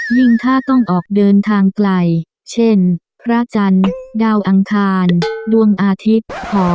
ยิ่งถ้าต้องออกเดินทางไกลเช่นพระจันทร์ดาวอังคารดวงอาทิตย์